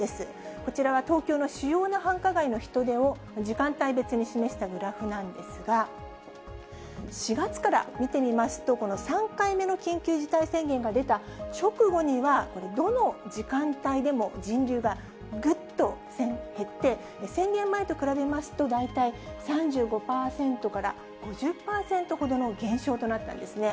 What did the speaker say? こちらは東京の主要な繁華街の人出を時間帯別に示したグラフなんですが、４月から見てみますと、この３回目の緊急事態宣言が出た直後には、これ、どの時間帯でも人流がぐっと減って、宣言前と比べますと、大体３５％から５０％ほどの減少となったんですね。